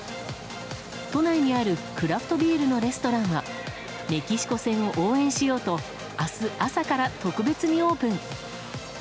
都内にあるクラフトビールのレストランはメキシコ戦を応援しようと明日朝から特別にオープン。